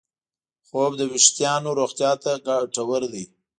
خوب د وېښتیانو روغتیا ته ګټور دی.